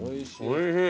おいしい。